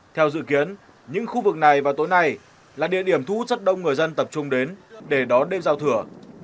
theo dự kiến những khu vực này vào tối nay là địa điểm thu hút rất đông người dân tập trung đến để đón đêm giao thừa